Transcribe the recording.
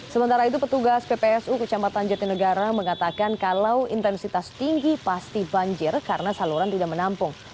sementara itu petugas ppsu kecamatan jatinegara mengatakan kalau intensitas tinggi pasti banjir karena saluran tidak menampung